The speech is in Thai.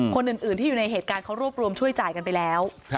คนอื่นที่อยู่ในเหตุการณ์เขารวบรวมช่วยจ่ายกันไปแล้ว